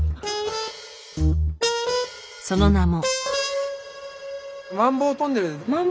その名も。